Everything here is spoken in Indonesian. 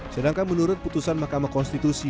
sedangkan menurut putusan mahkamah konstitusi